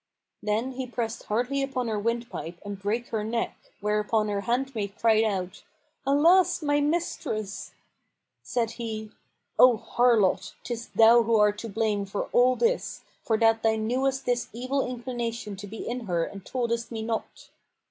Then he pressed hardly upon her windpipe and brake her neck, whereupon her handmaid cried out "Alas, my mistress!" Said he, "O harlot, 'tis thou who art to blame for all this, for that thou knewest this evil inclination to be in her and toldest me not."